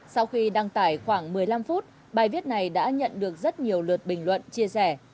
sau khi đăng tải khoảng một mươi năm phút bài viết này đã nhận được rất nhiều lượt bình luận chia sẻ